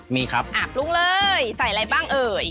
มีครับปรุงเลยใส่อะไรบ้างเอ่ย